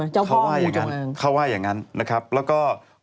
เจ้าพ่องูจงอางเขาว่าอย่างนั้นนะครับแล้วก็เจ้าพ่องูจงอาง